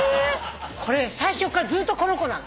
これ最初からずっとこの子なの。